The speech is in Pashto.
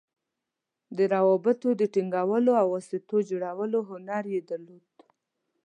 د روابطو د ټینګولو او واسطو جوړولو هنر یې درلود.